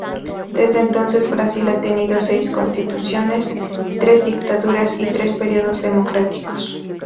Desde entonces, Brasil ha tenido seis constituciones, tres dictaduras, y tres periodos democráticos.